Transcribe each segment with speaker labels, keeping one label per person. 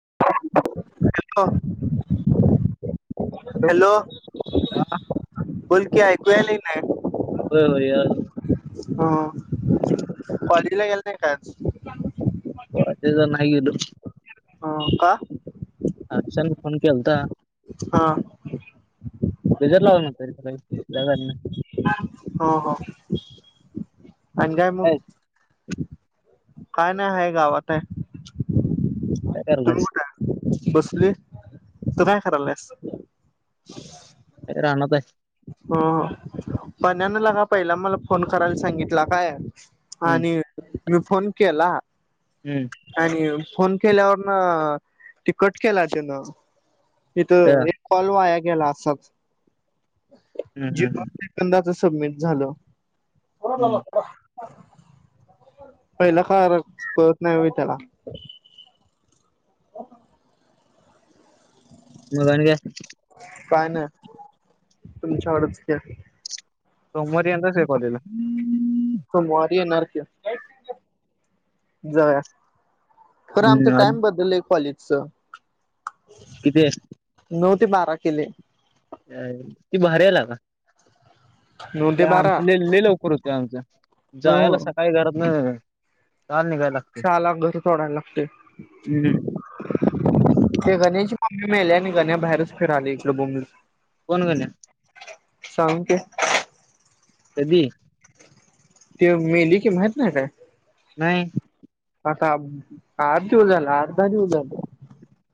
Speaker 1: [inaudible]
Speaker 2: [inaudible] Hello
Speaker 1: हा
Speaker 2: बोल की ऐकू यालय नाय.
Speaker 1: होय होय येणार की.
Speaker 2: ह कॉलेजला गेला नाही का आज.
Speaker 1: पोरा ते जर नाही.
Speaker 2: ह का.
Speaker 1: आच्यान फोन केलता.
Speaker 2: हा
Speaker 1: गजर लावल नाई तरी जाग आली.
Speaker 2: हो हो आणि काय मग. काय नाही हाय गावात हाय.
Speaker 1: काय करायलाईस.
Speaker 2: बसलुय तू काय करायलास.
Speaker 1: रानात हाय.
Speaker 2: हो पण्यान लका पहिला मला फोन करायला सांगितला काय. हा
Speaker 1: हम्म
Speaker 2: आणि मी फोन केला.
Speaker 1: हम्म.
Speaker 2: आणि फोन केल्यावर न ती कट केला त्यांनी इथ.
Speaker 1: अ
Speaker 2: कॉल वाया गेला असाल.
Speaker 1: हम हम हम.
Speaker 2: एकदाच सबमिट झालं.
Speaker 1: हम्म
Speaker 2: पहिला खार कळत नाही हुइ त्याला.
Speaker 1: मग आणि काय.
Speaker 2: काय नाही तुमच्याकडच क.
Speaker 1: सोमवारी येणार हाईस व्हय कॉलेजला. हम्म
Speaker 2: सोमवारी येणार की जावूया. खरं आमच
Speaker 1: आज
Speaker 2: टाइम बदलय कॉलेजच.
Speaker 1: किती हाय.
Speaker 2: नऊ ते बारा केलेय.
Speaker 1: हे भारी यायला का.
Speaker 2: नऊ ते बारा
Speaker 1: आमच लेले लवकर होते आमचं
Speaker 2: हो
Speaker 1: जायला सकाळी घरात.
Speaker 2: साला घर सोडायला लागतेय.
Speaker 1: हम्म
Speaker 2: ते गणेची मम्मी मेल्या आणि गण्या्या बाहेरच फिराले इकडे बोंबलत.
Speaker 1: कोण गण्या.
Speaker 2: साळुंखे.
Speaker 1: कदी.
Speaker 2: ते मेली की माहीत ना आता
Speaker 1: नाही.
Speaker 2: आता आठ दिवस झालं आठ दहा दिवस झालं.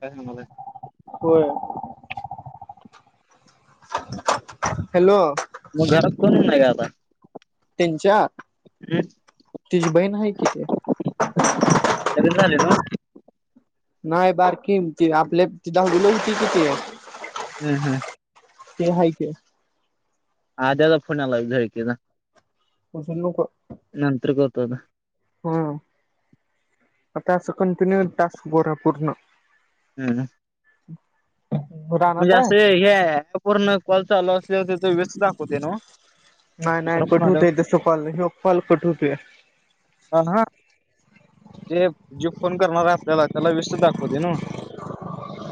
Speaker 1: काय सांगून आलाय.
Speaker 2: होय. हॅलो
Speaker 1: म घरात कोण नाय का आता
Speaker 2: त्यांच्या तिची बहीण आहे की, ती
Speaker 1: त्याचे झाले नव्ह.
Speaker 2: नाय बारकी ती आपल्यात ती दहावीला होती की ती
Speaker 1: हूं हूं
Speaker 2: ते हाय की
Speaker 1: आज्याचा फोन आला झळकेचा.
Speaker 2: कुणु क [unintelligible]
Speaker 1: नंतर करतो आता
Speaker 2: हूं आता असं कंटिन्यू टास्क बोरा पूर्ण
Speaker 1: हं हम्म -
Speaker 2: [unintelligible] रानात
Speaker 1: म्हणजे
Speaker 2: आहे
Speaker 1: असं हे हाय पूर्ण कॉल चालू असल्यावर तिऱ्हे व्यस्त दाखवते ना ओ.
Speaker 2: नाय नाय
Speaker 1: दुसरा फोन
Speaker 2: कट
Speaker 1: आल्यावर
Speaker 2: होतय जसं कॉल ह्यो कॉल कट होतोया.
Speaker 1: पण हा जे जे फोन करणार हाय आपल्याला त्याला व्यस्त दाखवतय ना.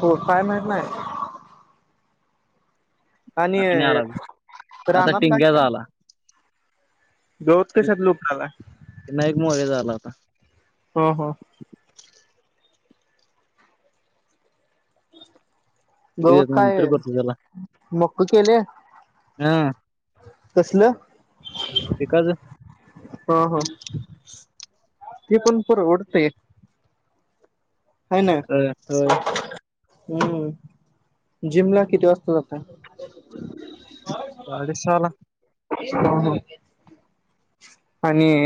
Speaker 2: हो काय माहित नाय. आणि
Speaker 1: आता
Speaker 2: रानात काय
Speaker 1: टिंग्याचा आला
Speaker 2: देओत कशात लोकाला
Speaker 1: ते नाएक मध्ये झाला होता.
Speaker 2: हा हा गवत
Speaker 1: नंतर
Speaker 2: काय
Speaker 1: करतो त्याला
Speaker 2: मक केले.
Speaker 1: हा
Speaker 2: कसलं?
Speaker 1: बिकॉज
Speaker 2: हा हा ते पण परवडतय. हाय ना
Speaker 1: होय होय.
Speaker 2: हम्म जिम ला किती वाजता जातोय.
Speaker 1: साडे सहाला
Speaker 2: हा हा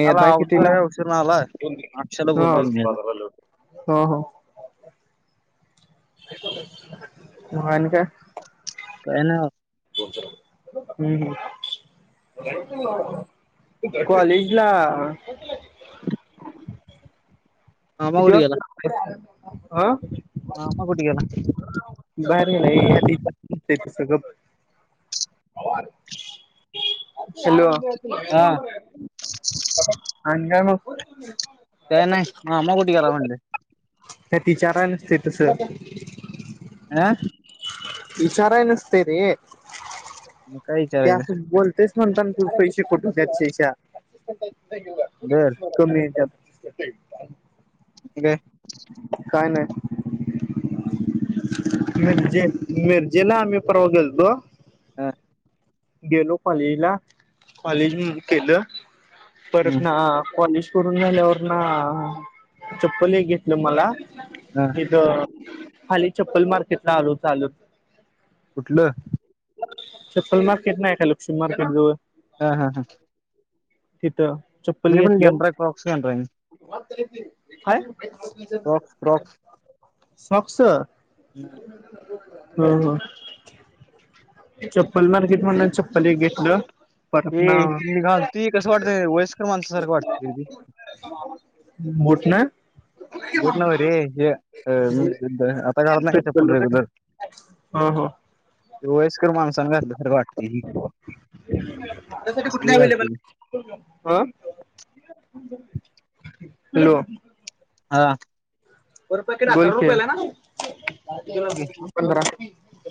Speaker 1: त्याला आवदा हाय औषद हुन आलाय [unintelligible]
Speaker 2: फोन घे हं हं हं आल्या वरती मं आणि काय?
Speaker 1: काय नाय बा
Speaker 2: हूं हूं कॉलेज ला
Speaker 1: मामा
Speaker 2: किती
Speaker 1: कुठे गेला
Speaker 2: वाजता ये आ
Speaker 1: मामा कुठ गेला?
Speaker 2: बाहेर गेलाय [inaudible] सगळंचं [unintelligible] हॅलो
Speaker 1: हा
Speaker 2: आणि काय मग
Speaker 1: काय नाय मामा कुठ गेला म्हंटलं?
Speaker 2: हे तिचारं स्टेट्सअ
Speaker 1: आं
Speaker 2: विचारय नसत रे
Speaker 1: मग काय
Speaker 2: त्या
Speaker 1: विचारायचं
Speaker 2: असच बोल तेच म्हणताना खू पैसे कट हुत्यात शेशा
Speaker 1: बर
Speaker 2: कमी येत्यात
Speaker 1: बे
Speaker 2: काय नाही मेर्जे मिेर्जेला आम्ही पर्वाेलतो
Speaker 1: ह
Speaker 2: गेलो कॉलेजला कॉलेज केलं परत
Speaker 1: हम्म.
Speaker 2: ना कॉलेज करून झाल्यावर ना चप्पल हे घेतलं मला
Speaker 1: हा.
Speaker 2: इथ हाली चप्पल मार्केट ला आलो चालत
Speaker 1: कुठलं
Speaker 2: चप्पल मार्केट नाही आहे काय लक्ष्मी मार्किट जवळ
Speaker 1: हा हा हां
Speaker 2: तिथं चप्पल
Speaker 1: पण
Speaker 2: घेतलं
Speaker 1: घेणार क्रॉक्स घेणार आहे
Speaker 2: काय
Speaker 1: क्रॉक्स क्रॉक्स
Speaker 2: स्वाक्स हा
Speaker 1: हम्म.
Speaker 2: हा चप्पल मार्केट मधन चप्पल एक घेतलं परत ना
Speaker 1: हे घाल तु कसं वाटत वयस्कर माणसासारखं वाटतंती
Speaker 2: कुठं ना
Speaker 1: बुट ना रे हे आता काळात नाही काय चप्पल रेग्युलर
Speaker 2: हा हा
Speaker 1: वायस्कर माणसान घातलं सारखं वाटते ही असलं घालकी
Speaker 2: हा हॅलो
Speaker 1: हा
Speaker 2: पर पाकीट हजार रुपयला ना पंधरा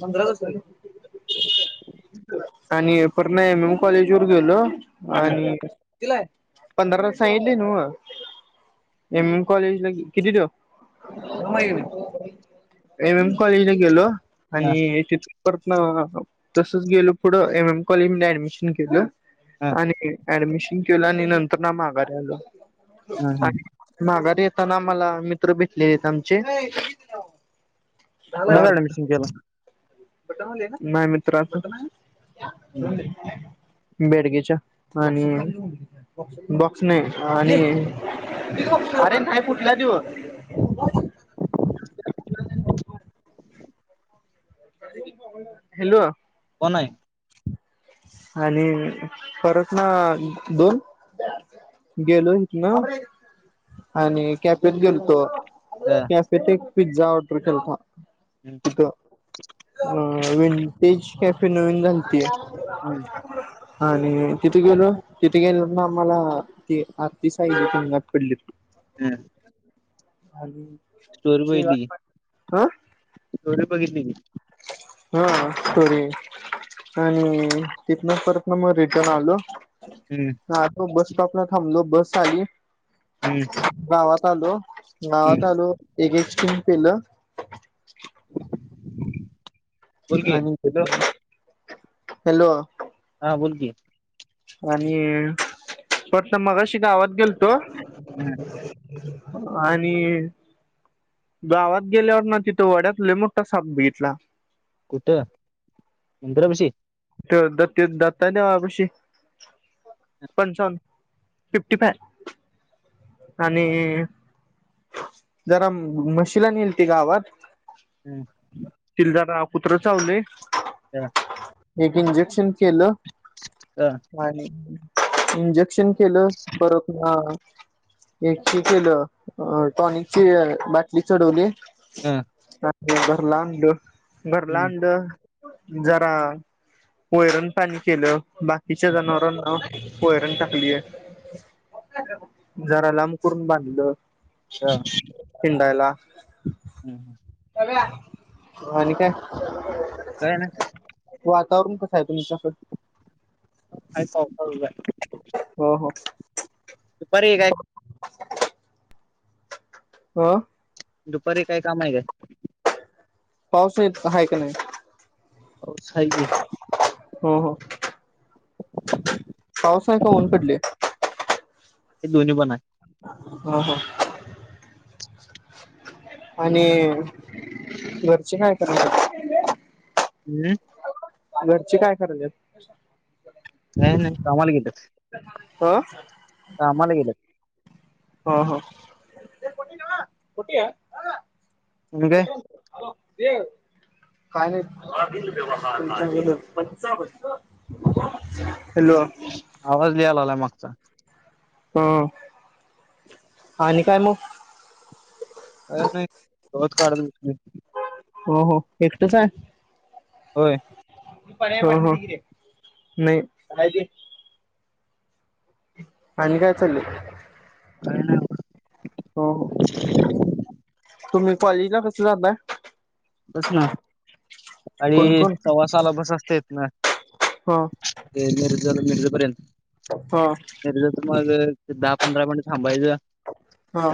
Speaker 2: पंधरावर्ष झाली आणि पण नाही म म कॉलेज व गेलो
Speaker 1: हा
Speaker 2: आणि. तला पंधरा साईठ दे न एम एम कॉलेज ला किती देऊ. एम एम कॉलेजला गेलो
Speaker 1: हा
Speaker 2: आणिथ. परता तसच गेल पुढं एम एम कॉलेज म ऍडमिशन केलं आणि. ऍडमिशन केलं आणि नंतर ना माघार आलं.
Speaker 1: हम हम.
Speaker 2: माघारी येताना आम्हाला मित्र भेटलेले आहेत आमचे
Speaker 1: कोन्हाच ऍडमिशन केलं
Speaker 2: खोटं म्हटले ना नाही मित्र आपण
Speaker 1: हम्म.
Speaker 2: बेडगेच्या आणि बॉक्स नाही आणि अरे नाही कुठला दिव [inaudible] हॅलो
Speaker 1: कोन आहे
Speaker 2: आले परत ना दोन गेलो इथ ना आणि केॅपेेत गेलो तो
Speaker 1: हा
Speaker 2: कॅफे ते पिझ्झा ऑर्डर केलथा
Speaker 1: हम्म
Speaker 2: तीथ अ विंटेज कॅफे नवीन झालतीया
Speaker 1: हम
Speaker 2: [inaudible] आणि तिथे गेलो तिथे गेल ना आम्हाला ती आरती साहिजंगात पडली.
Speaker 1: हम्.
Speaker 2: आणि हा.
Speaker 1: तेवढे बघितली की.
Speaker 2: हा सरी. आणि तिथन परत ना मग रिटर्न आलो.
Speaker 1: हम्म.
Speaker 2: हा तो बस स्टॉपला थांबलो बस आली.
Speaker 1: हम्म.
Speaker 2: गावात आलो
Speaker 1: हम्म
Speaker 2: गावात आलो एक एक सिम केेलं.
Speaker 1: बोल की
Speaker 2: आणि
Speaker 1: हॅलो
Speaker 2: हॅलो.
Speaker 1: हा बोल की.
Speaker 2: आणि परत मगाशी गावात गेलतो.
Speaker 1: हम्म.
Speaker 2: आणि. गावात गेल्यावर ना तिथं वड्यात मोठा साप बघितला.
Speaker 1: कुठं मंद्रपशी.
Speaker 2: त द दत्ताने पशी. पंचावन्न फिफ्टी फाय आणि. जरा म्हशी ला येल त गावात.
Speaker 1: हम्.
Speaker 2: तिलजारा पुत्र चावले.
Speaker 1: ह.
Speaker 2: एक इंजेक्शन केलं
Speaker 1: हा,
Speaker 2: आणि इंजेक्शन. केलं परत ना. एक केलं टॉनिकची बाटली चढवली.
Speaker 1: हा.
Speaker 2: बरलाड
Speaker 1: हम्म
Speaker 2: घरलाड जरा. वयरण पाणी केलं बाकीच्या जनावरांना. पयरण टाकलीय जरा लांब करून बांधलं.
Speaker 1: ह.
Speaker 2: हिंायला.
Speaker 1: हम् ह.
Speaker 2: [unintelligible] काय
Speaker 1: ना
Speaker 2: वातावरण कसं आहे? तुमच्याकड
Speaker 1: आहे पाऊस चालू.
Speaker 2: हो हो
Speaker 1: सुपारीय काय
Speaker 2: ह. [inaudible]
Speaker 1: दुपारी काय काम आहे काय.
Speaker 2: पाऊस नाहीेत आहेाय का नाही.
Speaker 1: हो स आहे.
Speaker 2: हो हो. पाऊस आहे का ऊन पडले.
Speaker 1: हे दोननी बन.
Speaker 2: ह ह. आणि घरचे काय करणार.
Speaker 1: हम्म.
Speaker 2: घरची काय करत आहेत.
Speaker 1: नाही नाही कामाला गेलेत.
Speaker 2: हम.
Speaker 1: कामाला गेलेत.
Speaker 2: हो हो.
Speaker 1: ह [unintelligible]
Speaker 2: हॅलो काय नाही [unintelligible] हॅलो!
Speaker 1: आवाज यायलागलाय मागचा
Speaker 2: हम आणि काय मग
Speaker 1: काय नाही गवत काढत बसलोय.
Speaker 2: हो हो एकटेचाय?
Speaker 1: होय
Speaker 2: हो हो नाही आणि काय चाललंय?
Speaker 1: काय नाही
Speaker 2: हो हो तुम्ही कॉलेजला कस जाता?
Speaker 1: बस ना आणि
Speaker 2: कोण कोण
Speaker 1: सव्वासाला बस असतेे इथ ना
Speaker 2: हा
Speaker 1: मिरज मिरज पर्यंत
Speaker 2: हा
Speaker 1: मिरजाच मग दहा पंधरा मिनट थांबायचं.
Speaker 2: हा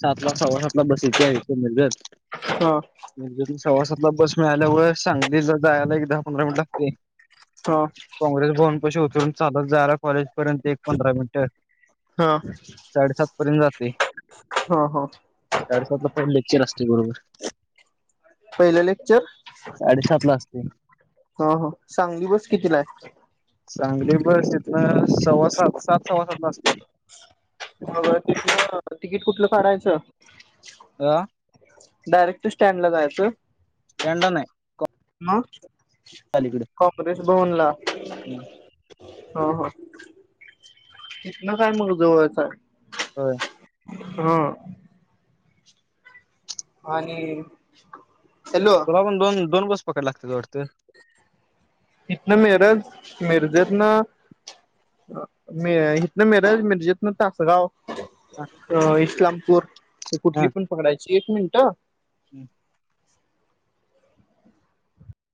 Speaker 1: सातला सव्वा सातला बस येतीय इथं मिरजत.
Speaker 2: हा.
Speaker 1: मिरजेतनं सव्वा सातला बस मिळाल्यां वर सांगलीला जायला एक दहा पंधरा मिनिट लागतेत.
Speaker 2: हा
Speaker 1: काँग्रेसभवनपशी उतरून चालत जायला कॉलेजपर्यंत एक पंधरा मिनिट.
Speaker 2: हा
Speaker 1: साडेसातपर्यंत जाते
Speaker 2: हा
Speaker 1: साडेसातला पहिलं लेक्चर असते बरोबर
Speaker 2: पहिलं लेक्चर
Speaker 1: साडेसातला असते.
Speaker 2: हो हो सांगली बस कितीलाय?
Speaker 1: सांगली बस इथंन सव्वा सात सात सव्वा सातला असतीय.
Speaker 2: मग तिथन तिकीट कुठलं काढायचं?
Speaker 1: अ
Speaker 2: डायरेक्ट स्टँडला जायचं.
Speaker 1: [unintelligible] नाही
Speaker 2: [unintelligible]
Speaker 1: अलीकड
Speaker 2: प्रेश भवन ला.
Speaker 1: हम्
Speaker 2: हा हा तिथंन काय मग जवळचाय.
Speaker 1: हो
Speaker 2: हा आणि हॅलो
Speaker 1: तुला पण दोन दोन बस पकडायला लागतेत वाटतं.
Speaker 2: इथन मिरज मिरजत ना अं इथंन मिरज मिरजेतंन तासगांव
Speaker 1: हा
Speaker 2: अ इस्लामपूर हे कुठली पण पकडायची. एक मिनिट
Speaker 1: हम्